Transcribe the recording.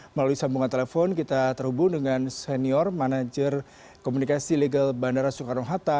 melalui sambungan telepon kita terhubung dengan senior manager komunikasi legal bandara soekarno hatta